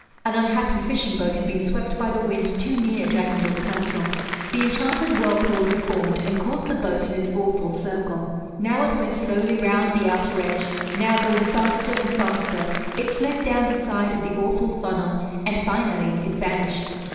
An unhappy fishing boat had been swept by the wind too near Dragondel's castle, the enchanted whirlpool had formed, and caught the boat in its awful circle. Now it went slowly round the outer edge, now, going faster and faster, it slid down the side of the awful funnel, and finally it vanished.